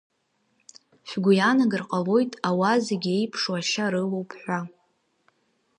Шәгәы иаанагар ҟалоит ауаа зегьы еиԥшу ашьа рылоуп ҳәа.